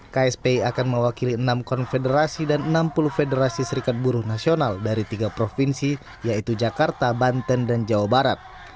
kspi akan mewakili enam konfederasi dan enam puluh federasi serikat buruh nasional dari tiga provinsi yaitu jakarta banten dan jawa barat